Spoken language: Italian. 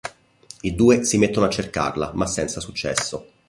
I due si mettono a cercarla ma senza successo.